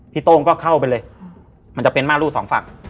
พี่โต้งก็เข้าไปเลยมันจะเป็นมารรูด๒ฝั่ง